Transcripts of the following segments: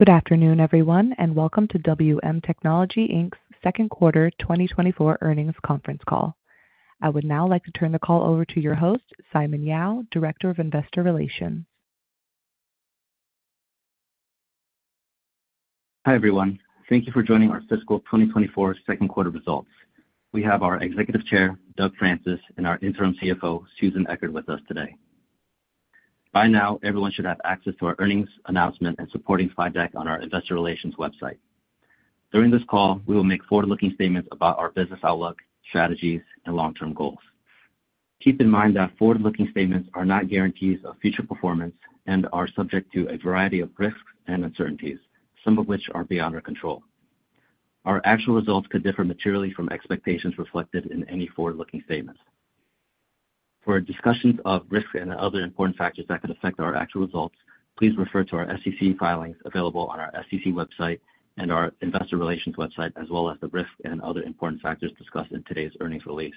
Good afternoon, everyone, and welcome to WM Technology, Inc's Second Quarter 2024 Earnings Conference Call. I would now like to turn the call over to your host, Simon Yao, Director of Investor Relations. Hi, everyone. Thank you for joining our fiscal 2024 second quarter results. We have our Executive Chair, Doug Francis, and our Interim CFO, Susan Echard, with us today. By now, everyone should have access to our earnings announcement and supporting slide deck on our investor relations website. During this call, we will make forward-looking statements about our business outlook, strategies, and long-term goals. Keep in mind that forward-looking statements are not guarantees of future performance and are subject to a variety of risks and uncertainties, some of which are beyond our control. Our actual results could differ materially from expectations reflected in any forward-looking statements. For discussions of risks and other important factors that could affect our actual results, please refer to our SEC filings available on our SEC website and our investor relations website, as well as the risks and other important factors discussed in today's earnings release.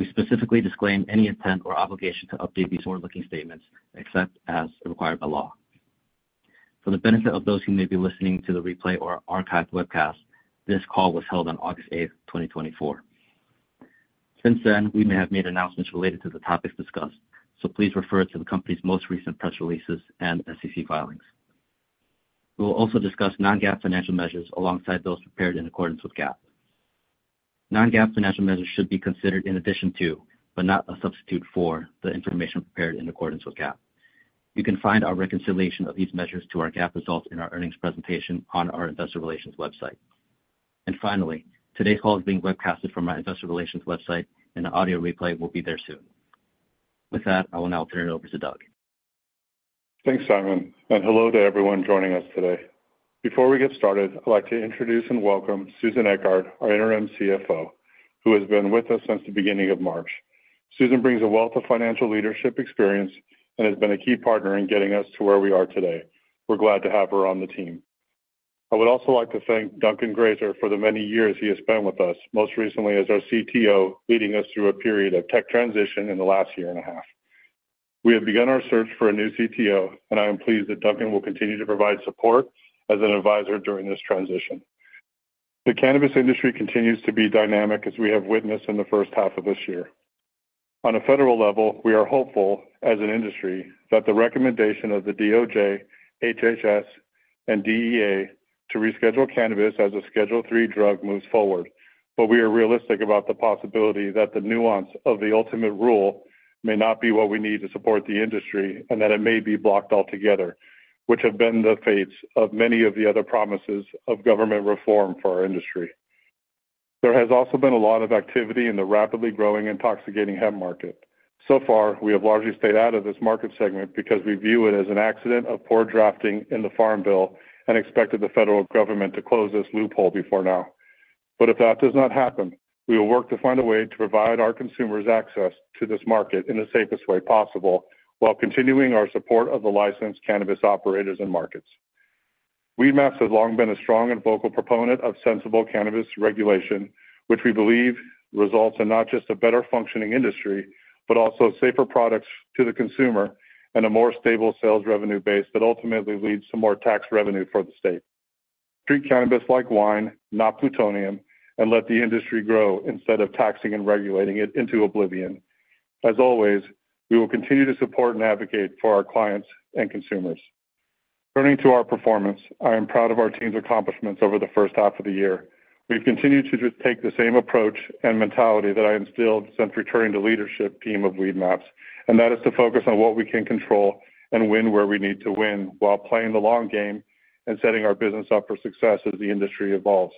We specifically disclaim any intent or obligation to update these forward-looking statements except as required by law. For the benefit of those who may be listening to the replay or archived webcast, this call was held on August 8, 2024. Since then, we may have made announcements related to the topics discussed, so please refer to the company's most recent press releases and SEC filings. We will also discuss non-GAAP financial measures alongside those prepared in accordance with GAAP. Non-GAAP financial measures should be considered in addition to, but not a substitute for, the information prepared in accordance with GAAP. You can find our reconciliation of these measures to our GAAP results in our earnings presentation on our investor relations website. Finally, today's call is being webcasted from our investor relations website, and an audio replay will be there soon. With that, I will now turn it over to Doug. Thanks, Simon, and hello to everyone joining us today. Before we get started, I'd like to introduce and welcome Susan Echard, our Interim CFO, who has been with us since the beginning of March. Susan brings a wealth of financial leadership experience and has been a key partner in getting us to where we are today. We're glad to have her on the team. I would also like to thank Duncan Grazier for the many years he has spent with us, most recently as our CTO, leading us through a period of tech transition in the last year and a half. We have begun our search for a new CTO, and I am pleased that Duncan will continue to provide support as an advisor during this transition. The cannabis industry continues to be dynamic, as we have witnessed in the first half of this year. On a federal level, we are hopeful, as an industry, that the recommendation of the DOJ, HHS, and DEA to reschedule cannabis as a Schedule III drug moves forward. But we are realistic about the possibility that the nuance of the ultimate rule may not be what we need to support the industry and that it may be blocked altogether, which have been the fates of many of the other promises of government reform for our industry. There has also been a lot of activity in the rapidly growing intoxicating hemp market. So far, we have largely stayed out of this market segment because we view it as an accident of poor drafting in the Farm Bill and expected the federal government to close this loophole before now. But if that does not happen, we will work to find a way to provide our consumers access to this market in the safest way possible, while continuing our support of the licensed cannabis operators and markets. Weedmaps has long been a strong and vocal proponent of sensible cannabis regulation, which we believe results in not just a better-functioning industry, but also safer products to the consumer and a more stable sales revenue base that ultimately leads to more tax revenue for the state. Treat cannabis like wine, not plutonium, and let the industry grow instead of taxing and regulating it into oblivion. As always, we will continue to support and advocate for our clients and consumers. Turning to our performance, I am proud of our team's accomplishments over the first half of the year. We've continued to just take the same approach and mentality that I instilled since returning to leadership team of Weedmaps, and that is to focus on what we can control and win where we need to win, while playing the long game and setting our business up for success as the industry evolves.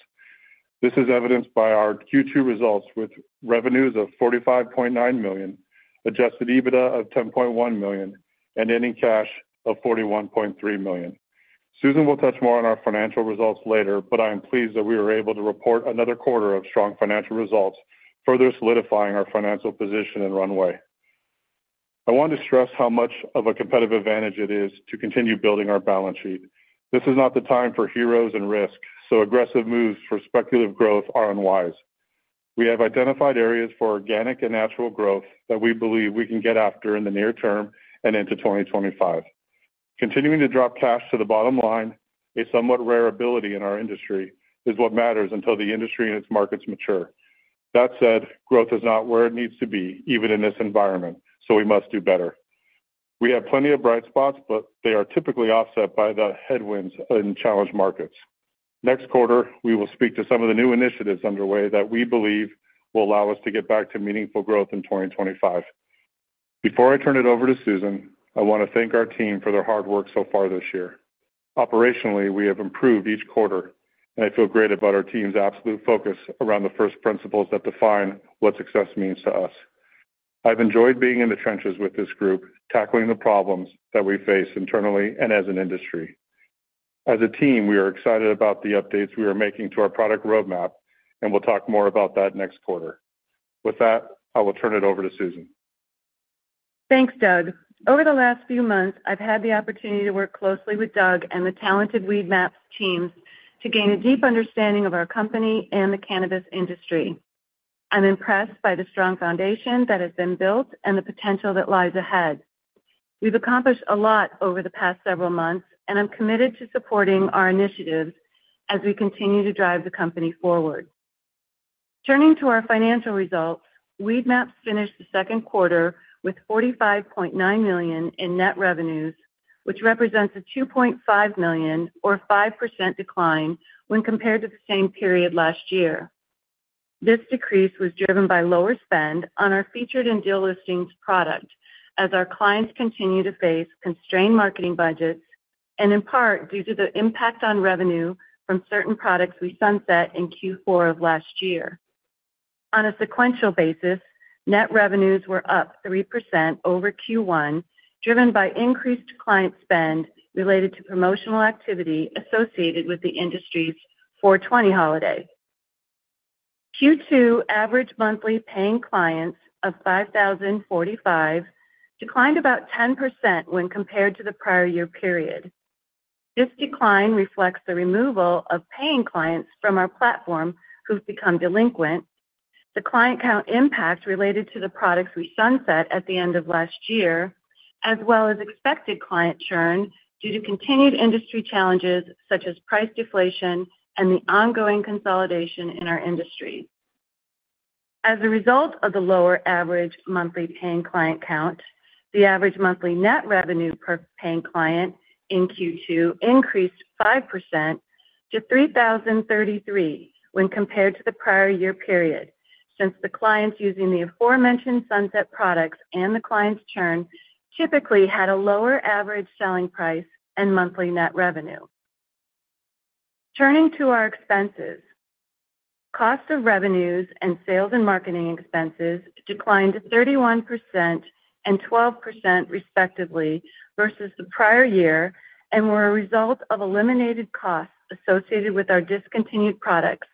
This is evidenced by our Q2 results, with revenues of $45.9 million, adjusted EBITDA of $10.1 million, and ending cash of $41.3 million. Susan will touch more on our financial results later, but I am pleased that we were able to report another quarter of strong financial results, further solidifying our financial position and runway. I want to stress how much of a competitive advantage it is to continue building our balance sheet. This is not the time for heroes and risk, so aggressive moves for speculative growth are unwise. We have identified areas for organic and natural growth that we believe we can get after in the near term and into 2025. Continuing to drop cash to the bottom line, a somewhat rare ability in our industry, is what matters until the industry and its markets mature. That said, growth is not where it needs to be, even in this environment, so we must do better. We have plenty of bright spots, but they are typically offset by the headwinds in challenged markets. Next quarter, we will speak to some of the new initiatives underway that we believe will allow us to get back to meaningful growth in 2025. Before I turn it over to Susan, I want to thank our team for their hard work so far this year. Operationally, we have improved each quarter, and I feel great about our team's absolute focus around the first principles that define what success means to us. I've enjoyed being in the trenches with this group, tackling the problems that we face internally and as an industry. As a team, we are excited about the updates we are making to our product roadmap, and we'll talk more about that next quarter. With that, I will turn it over to Susan. Thanks, Doug. Over the last few months, I've had the opportunity to work closely with Doug and the talented Weedmaps team to gain a deep understanding of our company and the cannabis industry. ... I'm impressed by the strong foundation that has been built and the potential that lies ahead. We've accomplished a lot over the past several months, and I'm committed to supporting our initiatives as we continue to drive the company forward. Turning to our financial results, Weedmaps finished the second quarter with $45.9 million in net revenues, which represents a $2.5 million or 5% decline when compared to the same period last year. This decrease was driven by lower spend on our featured and deal listings product as our clients continue to face constrained marketing budgets and in part due to the impact on revenue from certain products we sunset in Q4 of last year. On a sequential basis, net revenues were up 3% over Q1, driven by increased client spend related to promotional activity associated with the industry's 420 holiday. Q2 average monthly paying clients of 5,045 declined about 10% when compared to the prior year period. This decline reflects the removal of paying clients from our platform who've become delinquent, the client count impact related to the products we sunset at the end of last year, as well as expected client churn due to continued industry challenges, such as price deflation and the ongoing consolidation in our industry. As a result of the lower average monthly paying client count, the average monthly net revenue per paying client in Q2 increased 5% to 3,033 when compared to the prior year period, since the clients using the aforementioned sunset products and the clients churn typically had a lower average selling price and monthly net revenue. Turning to our expenses. Cost of revenues and sales and marketing expenses declined to 31% and 12%, respectively, versus the prior year, and were a result of eliminated costs associated with our discontinued products,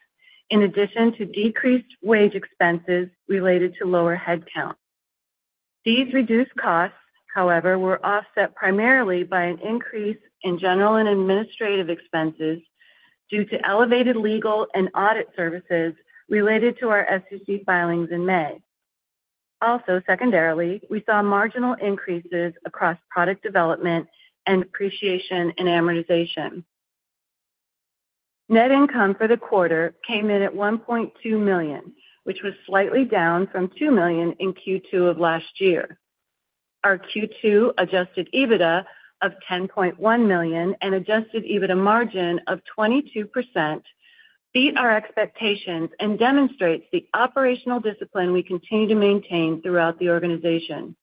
in addition to decreased wage expenses related to lower headcount. These reduced costs, however, were offset primarily by an increase in general and administrative expenses due to elevated legal and audit services related to our SEC filings in May. Also, secondarily, we saw marginal increases across product development and depreciation and amortization. Net income for the quarter came in at $1.2 million, which was slightly down from $2 million in Q2 of last year. Our Q2 adjusted EBITDA of $10.1 million and Adjusted EBITDA margin of 22% beat our expectations and demonstrates the operational discipline we continue to maintain throughout the organization.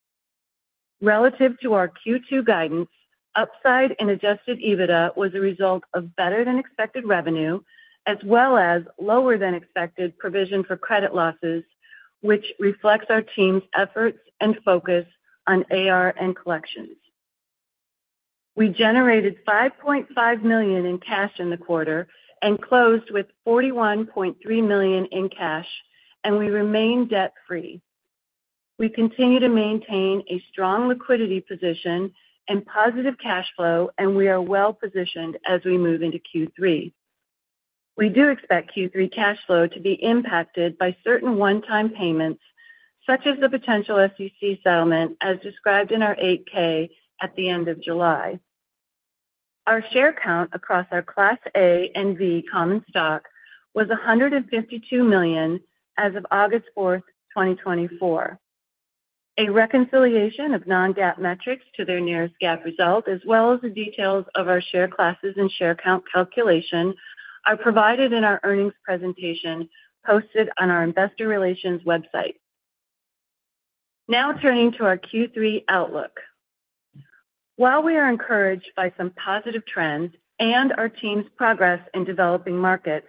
Relative to our Q2 guidance, upside in adjusted EBITDA was a result of better-than-expected revenue as well as lower-than-expected provision for credit losses, which reflects our team's efforts and focus on AR and collections. We generated $5.5 million in cash in the quarter and closed with $41.3 million in cash, and we remain debt-free. We continue to maintain a strong liquidity position and positive cash flow, and we are well positioned as we move into Q3. We do expect Q3 cash flow to be impacted by certain one-time payments, such as the potential SEC settlement, as described in our 8-K at the end of July. Our share count across our Class A and V common stock was 152 million as of August 4th, 2024. A reconciliation of non-GAAP metrics to their nearest GAAP result, as well as the details of our share classes and share count calculation, are provided in our earnings presentation posted on our investor relations website. Now turning to our Q3 outlook. While we are encouraged by some positive trends and our team's progress in developing markets,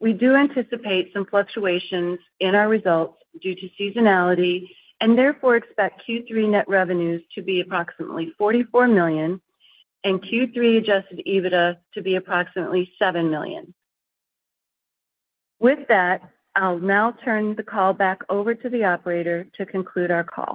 we do anticipate some fluctuations in our results due to seasonality and therefore expect Q3 net revenues to be approximately $44 million and Q3 adjusted EBITDA to be approximately $7 million. With that, I'll now turn the call back over to the operator to conclude our call.